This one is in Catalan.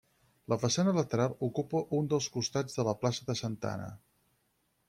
La façana lateral ocupa un dels costats de la plaça de Santa Anna.